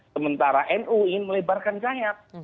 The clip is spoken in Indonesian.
sementara nu ingin melebarkan sayap